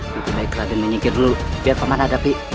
bikin baik raden menyikir dulu biar paman hadapi